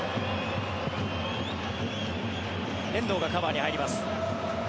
遠藤がカバーに入ります。